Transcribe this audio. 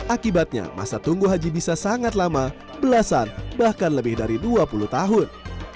akibatnya masa tunggu haji bisa sangat lama belasan bahkan lebih dari dua puluh tahun